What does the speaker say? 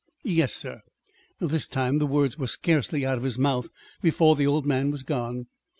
"Yes, sir." This time the words were scarcely out of his mouth before the old man was gone.